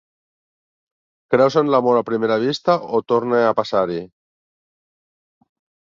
Creus en l'amor a primera vista o torne a passar-hi?